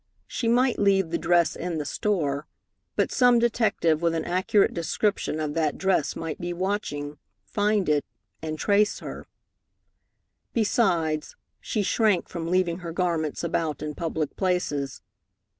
She might leave the dress in the store, but some detective with an accurate description of that dress might be watching, find it, and trace her. Besides, she shrank from leaving her garments about in public places.